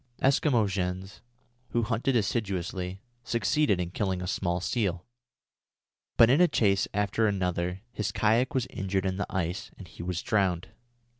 Eskimo Jens, who hunted assiduously, succeeded in killing a small seal; but in a chase after another his kayak was injured in the ice and he was drowned.